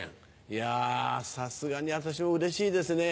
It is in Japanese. いやさすがに私もうれしいですね。